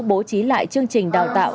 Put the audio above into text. bố trí lại chương trình đào tạo